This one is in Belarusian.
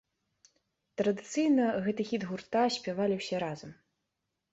Традыцыйна, гэты хіт гурта спявалі ўсе разам.